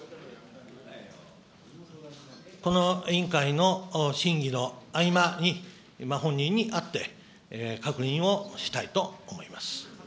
この委員会の審議の合間に、本人に会って確認をしたいと思います。